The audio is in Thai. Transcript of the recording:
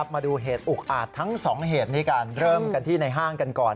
มาดูเหตุอุกอาจทั้งสองเหตุนี้กันเริ่มกันที่ในห้างกันก่อน